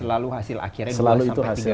selalu hasil akhirnya dua tiga kali lipat